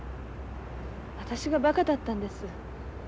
私がバカだったんです。